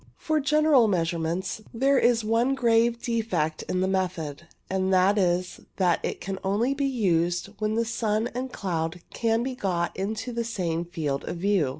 For general measurements there is one grave defect in the method, and that is that it can only be used when the sun and cloud can be got into the same field of view.